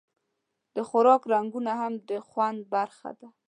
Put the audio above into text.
د خوراک رنګونه هم د خوند برخه ده.